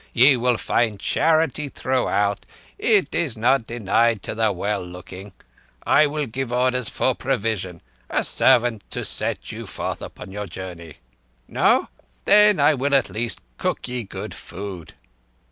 Ye will find charity throughout—it is not denied to the well looking. I will give orders for provision. A servant to set you forth upon your journey? No ... Then I will at least cook ye good food."